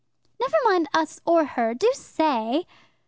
"Never mind us or her. Do say!"